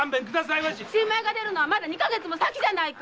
新米がでるのはまだ二か月も先じゃないか！